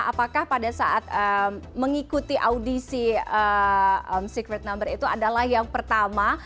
apakah pada saat mengikuti audisi secret number itu adalah yang pertama